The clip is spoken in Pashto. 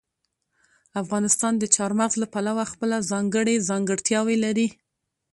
افغانستان د چار مغز له پلوه خپله ځانګړې ځانګړتیاوې لري.